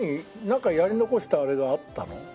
なんかやり残したあれがあったの？